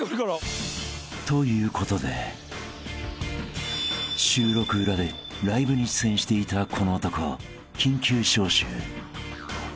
［ということで収録裏でライブに出演していたこの男緊急招集］